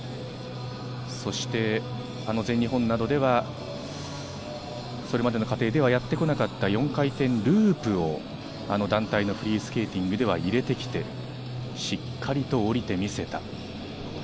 全日本などではそれまでの過程ではやってこなかった４回転ループを団体のフリースケーティングでは入れてきて、しっかりとおりてみせた。